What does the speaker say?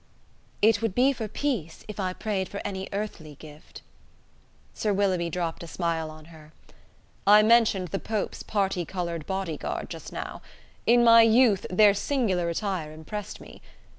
"It would be for peace, if I prayed for any earthly gift." Sir Willoughby dropped a smile on her. "I mentioned the Pope's parti coloured body guard just now. In my youth their singular attire impressed me.